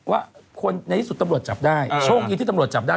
ว่าคนในที่สุดตำรวจจับได้โชคดีที่ตำรวจจับได้